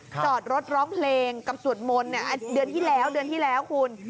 จอดรถร้องเพลงกับสวดมนต์เดือนที่แล้วเดือนที่แล้วคุณ